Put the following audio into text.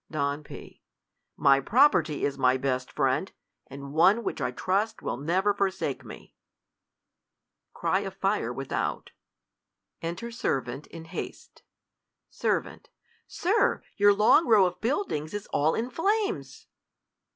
Don, P. My property is my best friend, and one which I trust will never forsake me. [Cry of fire without,. Enter 94 THE COLUMBIAN ORATOR. Enter Servant in haste, Ser. Sir, your long row of buildings is all in flames